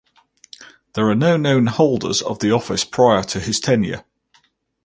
There are no known holders of the office prior to his tenure.